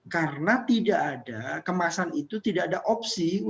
karena tidak ada kemasan itu tidak ada opsi untuk masyarakat